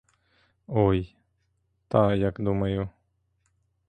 Ой, та як думаю!